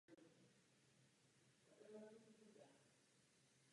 Na severním pobřeží se nachází chráněné území Fontainebleau State Park.